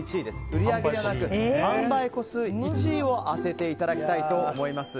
売り上げではなく販売個数１位を当てていただきたいと思います。